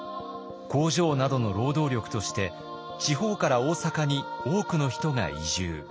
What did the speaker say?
工場などの労働力として地方から大阪に多くの人が移住。